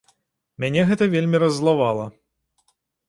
Мяне гэта вельмі раззлавала.